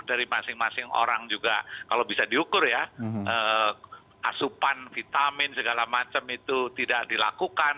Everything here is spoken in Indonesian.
dari masing masing orang juga kalau bisa diukur ya asupan vitamin segala macam itu tidak dilakukan